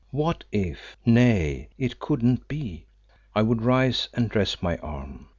What if nay, it could not be I would rise and dress my arm.